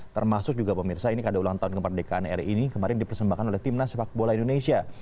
termasuk juga pemirsa ini kado ulang tahun kemerdekaan era ini kemarin dipersembahkan oleh timnas pakbola indonesia